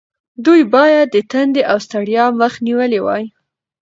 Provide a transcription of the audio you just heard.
دوی باید د تندې او ستړیا مخه نیولې وای.